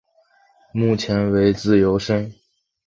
目前为自由身。